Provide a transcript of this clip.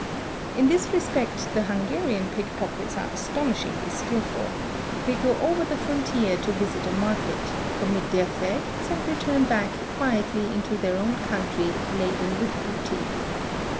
In this respect the Hungarian pickpockets are astonishingly skilful; they go over the frontier to visit a market, commit their thefts, and return back quietly into their own country laden with booty.